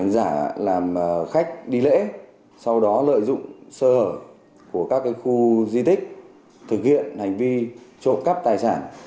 giả làm khách đi lễ sau đó lợi dụng sơ hở của các khu di tích thực hiện hành vi trộm cắp tài sản